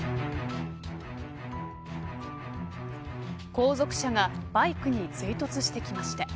後続車がバイクに追突してきました。